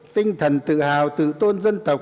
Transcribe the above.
tinh thần tự hào tự tôn dân tộc